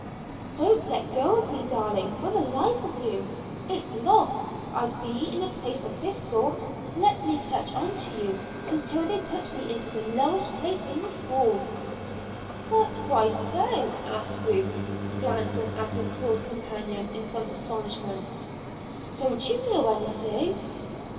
"Don't let go of me, darling, for the life of you. It's lost I'd be in a place of this sort. Let me clutch on to you until they put me into the lowest place in the school." "But why so?" asked Ruth, glancing at her tall companion in some astonishment. "Don't you know anything?"